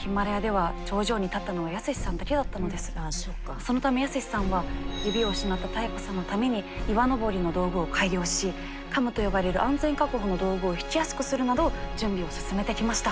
そのため泰史さんは指を失った妙子さんのために岩登りの道具を改良しカムと呼ばれる安全確保の道具を引きやすくするなど準備を進めてきました。